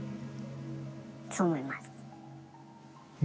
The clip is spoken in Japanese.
そう思います。ね？